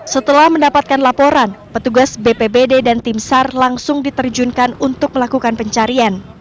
setelah mendapatkan laporan petugas bpbd dan tim sar langsung diterjunkan untuk melakukan pencarian